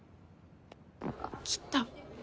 あ切った。